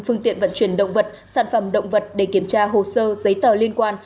phương tiện vận chuyển động vật sản phẩm động vật để kiểm tra hồ sơ giấy tờ liên quan